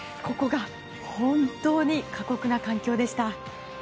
ここが本当に過酷な環境でした。